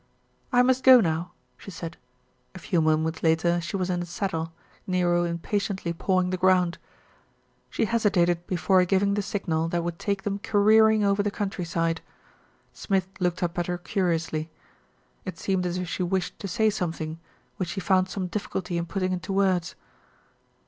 "I must go now," she said. A few moments later she was in the saddle, Nero impatiently pawing the ground. She hesitated before giving the signal that would take them careering over the countryside. Smith looked up at her curiously. It seemed as if she wished to say something, which she found some difficulty in putting into words.